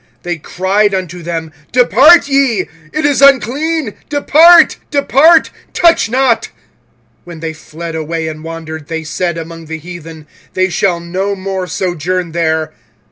25:004:015 They cried unto them, Depart ye; it is unclean; depart, depart, touch not: when they fled away and wandered, they said among the heathen, They shall no more sojourn there.